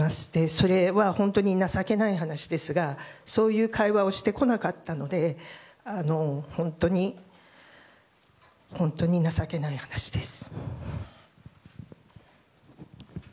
それは本当に情けない話ですがそういう会話をしてこなかったので本当に情けない話です。